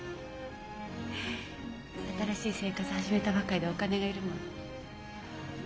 新しい生活始めたばかりでお金が要るもの。